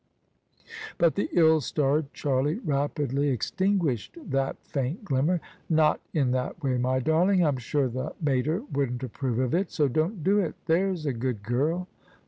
But the ill starred Charlie rapidly extinguished that faint glimmer. " Not in that way, my darling: I'm sure the mater wouldn't approve of it : so don't do it, there's a good girl